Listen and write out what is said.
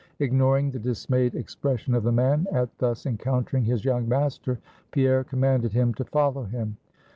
Ignoring the dismayed expression of the man at thus encountering his young master, Pierre commanded him to follow him.